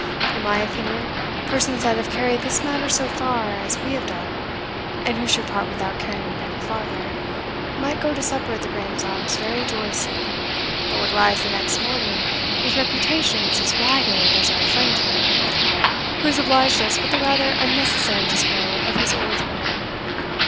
In my opinion, persons that have carried this matter so far as we have done, and who should part without carrying it any farther, might go to supper at the Graeme's Arms very joyously, but would rise the next morning with reputations as ragged as our friend here, who has obliged us with a rather unnecessary display of his oratory.